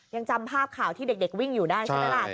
ยังจำภาพข่าวที่เด็กวิ่งอยู่ได้ใช่ไหมล่ะ